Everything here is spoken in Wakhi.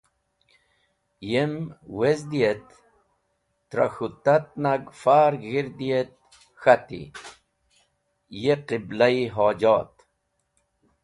Yem wezdii et trẽ k̃hũ tat nag far g̃hirdi et k̃hati: “Ye Qibla-e Hojot!